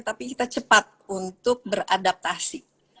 tapi kita cepat untuk beradaptasi